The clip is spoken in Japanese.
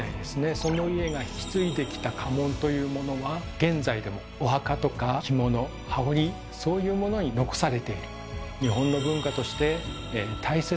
その家が引き継いできた家紋というものは現在でもお墓とか着物羽織そういうものに残されている。